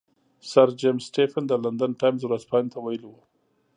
سر جیمز سټیفن د لندن ټایمز ورځپاڼې ته ویلي وو.